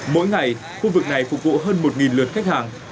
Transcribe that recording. mỗi ngày khu vực này phục vụ hơn một lượt khách hàng